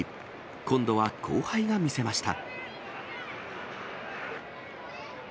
今度は後輩が見せました。